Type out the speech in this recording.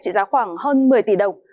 chỉ giá khoảng hơn một mươi tỷ đồng